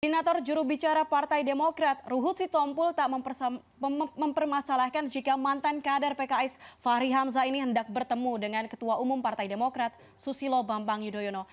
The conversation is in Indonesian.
koordinator jurubicara partai demokrat ruhut sitompul tak mempermasalahkan jika mantan kader pks fahri hamzah ini hendak bertemu dengan ketua umum partai demokrat susilo bambang yudhoyono